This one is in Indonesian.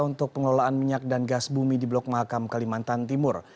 untuk pengelolaan minyak dan gas bumi di blok mahakam kalimantan timur